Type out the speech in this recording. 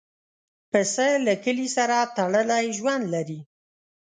پسه له کلي سره تړلی ژوند لري.